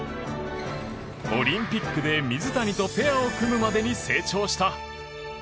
オリンピックで水谷とペアを組むまでに成長した。